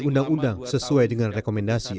undang undang sesuai dengan rekomendasi